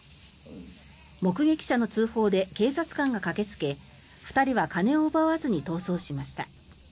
目撃者の通報で警察官が駆けつけ２人は金を奪わずに逃走しました。